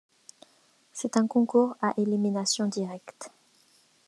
C'est un concours à élimination directe.